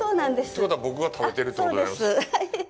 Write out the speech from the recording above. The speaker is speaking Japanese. ということは、僕が食べてるということになります。